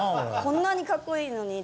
こんなにかっこいいのに。